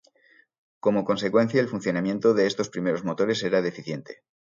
Como consecuencia el funcionamiento de estos primeros motores era deficiente.